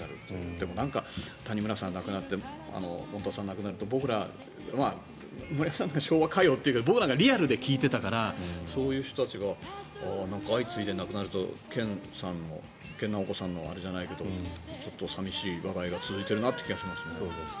でも、谷村さんが亡くなってもんたさんが亡くなって僕ら、昭和歌謡なんて言うけど僕なんかリアルで聞いてたからそういう人たちが相次いで亡くなると研ナオコさんのあれじゃないけどちょっと寂しい話題が続いているなという気がしますね。